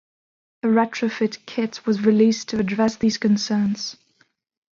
A retrofit kit was released to address these concerns.